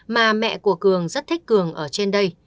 mà mẹ của cường rất thích cường ở trên đây